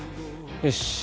よし。